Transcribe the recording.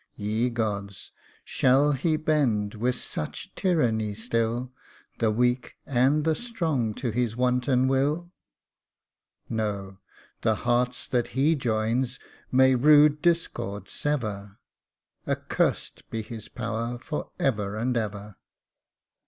171 Ye gods ! shall he bend with such tyranny still The weak and the strong to his wanton will ? No ! the hearts that he joins may rude discord sever ; Accursed be his power for ever and ever."